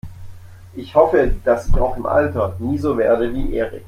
Ich hoffe, dass ich auch im Alter nie so werde wie Erik.